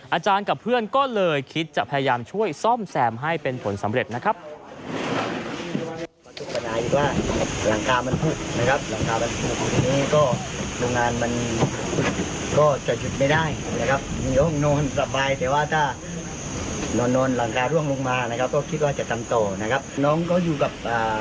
อาจารย์กับเพื่อนก็เลยคิดจะพยายามช่วยซ่อมแซมให้เป็นผลสำเร็จนะครับ